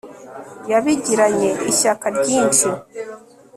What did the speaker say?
Yabigiranye ishyaka ryinshi